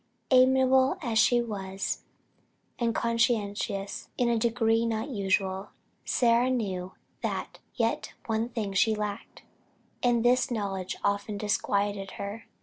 Amiable as she was, and conscientious in a degree not usual, Sarah knew that "yet one thing she lacked;" and this knowledge often disquieted her.